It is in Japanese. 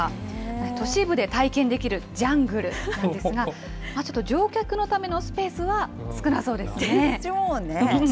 都市部で体験できるジャングルなんですが、ちょっと乗客のためのでしょうね。